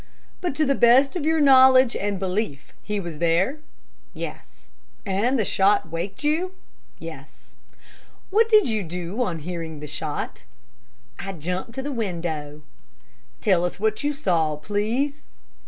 "But to the best of your knowledge and belief he was there?" "Yes." "And the shot waked you?" "Yes." "What did you do on hearing the shot?" "I jumped to the window." "Tell what you saw, please."